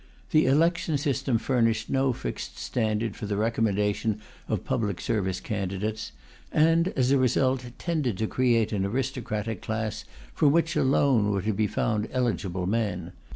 The "election" system furnished no fixed standard for the recommendation of public service candidates, and, as a result, tended to create an aristocratic class from which alone were to be found eligible men.